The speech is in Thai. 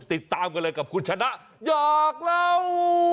ติดตามกันเลยกับคุณชนะหยอกเล่า